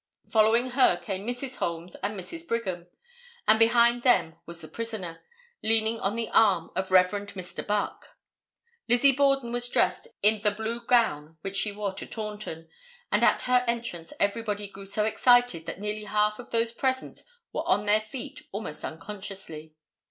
Following her came Mrs. Holmes and Mrs. Brigham, and behind them was the prisoner, leaning on the arm of Rev. Mr. Buck. Lizzie Borden was dressed in the blue gown which she wore to Taunton, and at her entrance everybody grew so excited that nearly half of those present were on their feet almost unconsciously.